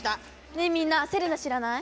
ねぇみんなセリナ知らない？